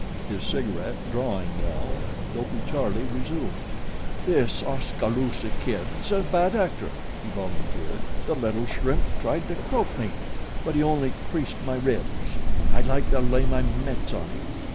His cigaret drawing well Dopey Charlie resumed: "This Oskaloosa Kid's a bad actor," he volunteered. "The little shrimp tried to croak me; but he only creased my ribs. I'd like to lay my mits on him.